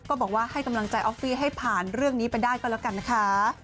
ก็บอกว่าให้กำลังใจออฟฟี่ให้ผ่านเรื่องนี้ไปได้ก็แล้วกันนะคะ